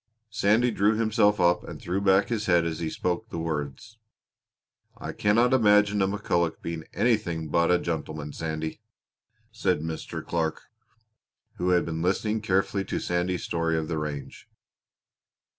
Sandy drew himself up and threw back his head as he spoke the words. "I cannot imagine a McCulloch being anything but a gentleman, Sandy," said Mr. Clark, who had been listening carefully to Sandy's story of the range.